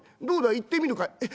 どうだい行ってみるかい？」。